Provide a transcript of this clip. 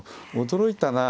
驚いたな。